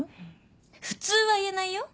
普通は言えないよ。